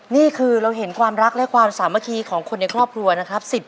นี่คือเราเห็นความรักและความสามัคคีของคนในครอบครัวนะครับ